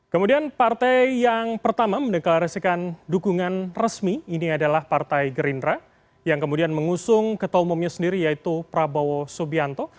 kemudian partai yang pertama mendeklarasikan dukungan resmi ini adalah partai gerindra yang kemudian mengusung ketua umumnya sendiri yaitu prabowo subianto